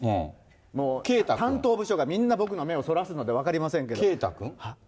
担当部署が、みんな目をそらすので分かりませんけど。